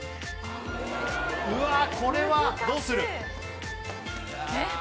うわこれはどうする？